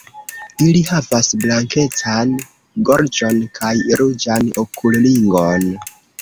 Ili havas blankecan gorĝon kaj ruĝan okulringon.